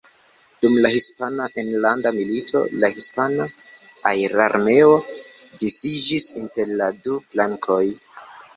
Dum la Hispana Enlanda Milito la Hispana Aerarmeo disiĝis inter la du flankoj.